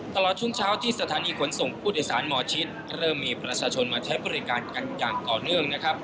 ตลอดช่วงเช้าที่สถานีขนส่งผู้โดยสารหมอชิดเริ่มมีประชาชนมาใช้บริการกันอย่างต่อเนื่องนะครับ